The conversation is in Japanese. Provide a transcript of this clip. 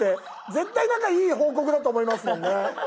絶対なんか良い報告だと思いますもんね。